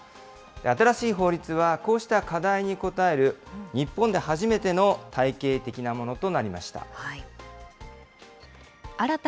新しい法律は、こうした課題に応える、日本で初めての体系的なものとなりました。